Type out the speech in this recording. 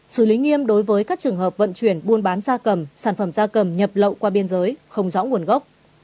xử lý nghiêm đối với các trường hợp vận chuyển buôn bán da cầm sản phẩm da cầm nhập lậu qua biên giới không rõ nguồn gốc